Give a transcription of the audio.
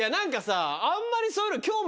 あんまりそういうの。